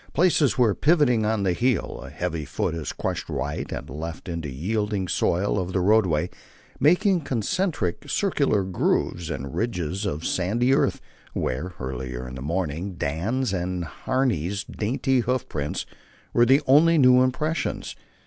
Places where, pivoting on the heel, a heavy foot had crushed right and left into the yielding soil of the roadway, making concentric, circular grooves and ridges of sandy earth, where, earlier in the morning Dan's and Harney's dainty hoof prints were the only new impressions.